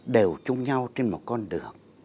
đều chung nhau trên một con đường